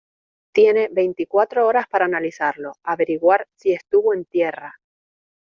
tiene veinticuatro horas para analizarlo, averiguar si estuvo en tierra